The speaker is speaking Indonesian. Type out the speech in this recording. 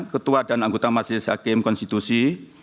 ketua dan anggota majelis hakim konstitusi